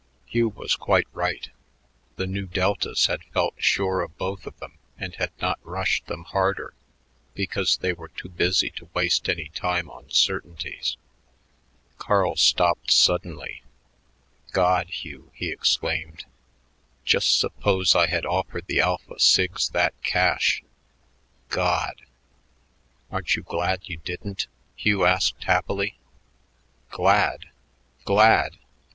Hugh was quite right. The Nu Deltas had felt sure of both of them and had not rushed them harder because they were too busy to waste any time on certainties. Carl stopped suddenly. "God, Hugh," he exclaimed. "Just suppose I had offered the Alpha Sigs that cash. God!" "Aren't you glad you didn't?" Hugh asked happily. "Glad? Glad?